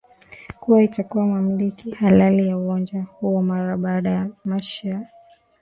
kuwa itakuwa mumliki halali wa uwanja huo mara baada mashi ya